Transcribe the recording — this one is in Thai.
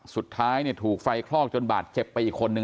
สุดท้ายถูกไฟคลอกจนบาดเจ็บไปอีกคนนึง